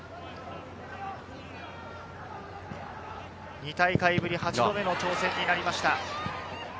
２大会ぶり８度目の挑戦になりました。